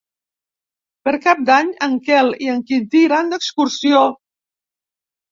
Per Cap d'Any en Quel i en Quintí iran d'excursió.